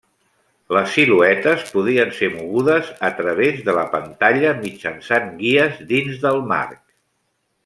Les siluetes podien ser mogudes a través de la pantalla mitjançant guies dins del marc.